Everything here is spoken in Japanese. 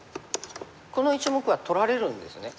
この１目は取られるんですね。